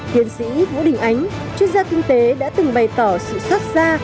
tiến sĩ vũ đình ánh chuyên gia kinh tế đã từng bày tỏ sự xót xa